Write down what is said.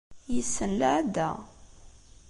Yessen lɛada.